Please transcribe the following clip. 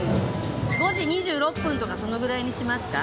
５時２６分とかそのぐらいにしますか？